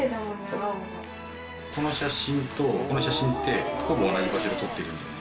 この写真とこの写真ってほぼ同じ場所で撮ってるんだよね。